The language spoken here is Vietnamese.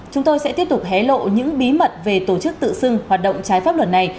chúng tôi sẽ tiếp tục hé lộ những bí mật về tổ chức tự xưng hoạt động trái pháp luật này